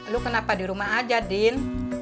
lu kenapa dirumah aja din